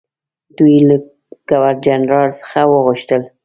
دوی له ګورنرجنرال څخه وغوښتل.